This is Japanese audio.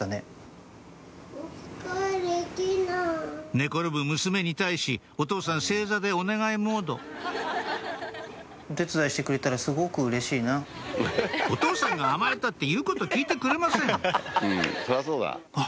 寝転ぶ娘に対しお父さん正座でお願いモードお父さんが甘えたって言うこと聞いてくれませんあっ